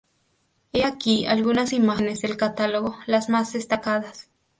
He aquí algunas imágenes del catálogo, las más destacadas